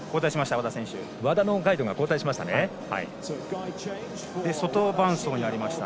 和田のガイドが交代しました。